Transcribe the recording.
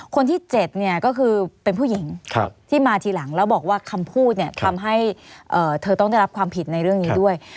คนที่๗เนี่ยก็คือเป็นผู้หญิงที่มาทีหลังแล้วบอกว่าคำพูดเนี่ยทำให้เธอต้องได้รับความผิดในเรื่องนี้ด้วย